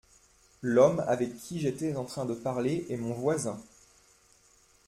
L’homme avec qui j’étais en train de parler est mon voisin.